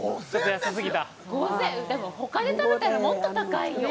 ほかで食べたら、もっと高いよ。